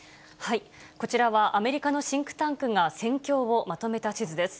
こちらは、アメリカのシンクタンクが戦況をまとめた地図です。